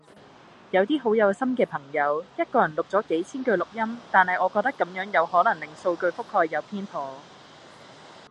有啲好有心嘅朋友，一個人錄咗幾千句錄音，但係我覺得咁樣有可能令數據覆蓋有偏頗